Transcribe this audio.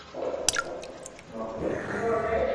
Salva se formó en las categorías inferiores del Villareal.